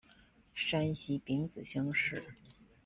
山西丙子乡试。